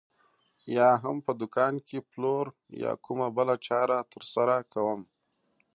یا هم په دوکان کې پلور یا کومه بله چاره ترسره کوم.